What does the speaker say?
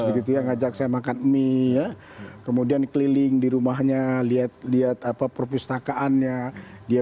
begitu ya ngajak saya makan mie ya kemudian keliling di rumahnya lihat lihat apa perpustakaannya dia